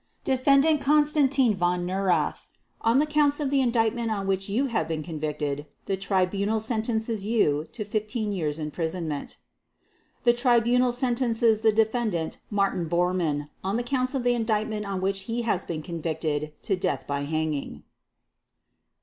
"Defendant Constantin von Neurath, on the Counts of the Indictment on which you have been convicted, the Tribunal sentences you to 15 years' imprisonment. "The Tribunal sentences the Defendant Martin Bormann, on the Counts of the Indictment on which he has been convicted, to death by hanging."